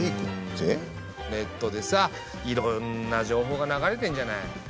ネットでさいろんな情報が流れてんじゃない。